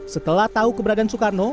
setelah tahu keberadaan soekarno